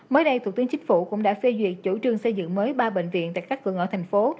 mới đây thủ tướng chính phủ cũng đã phê duyệt chủ trương xây dựng mới ba bệnh viện tại các phường ở thành phố